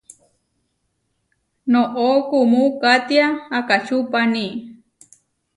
Noʼó kuumú katiá akáʼčupani.